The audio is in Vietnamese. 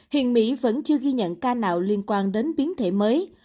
hiện mỹ vẫn chưa ghi nhận ca nào liên quan đến biến thể mới